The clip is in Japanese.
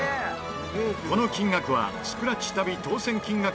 この金額はスクラッチ旅当せん金額